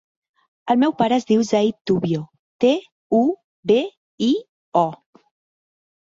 El meu pare es diu Zaid Tubio: te, u, be, i, o.